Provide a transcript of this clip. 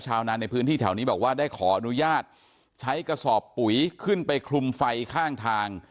นานในพื้นที่แถวนี้บอกว่าได้ขออนุญาตใช้กระสอบปุ๋ยขึ้นไปคลุมไฟข้างทาง